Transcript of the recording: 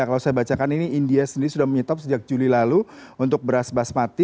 kalau saya bacakan ini india sendiri sudah menyetop sejak juli lalu untuk beras basmati